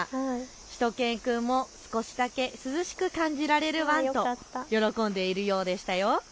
しゅと犬くんも少しだけ涼しく感じられるワンと喜んでいるようでした。